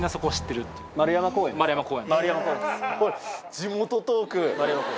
地元トーク！